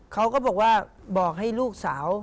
เขาก็บอกว่าบอกให้ลูกสาว